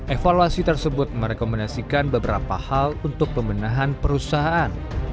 evaluasi tersebut merekomendasikan beberapa hal untuk pembenahan perusahaan